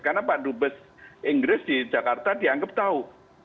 karena pak dut besar inggris di jakarta dianggap tahu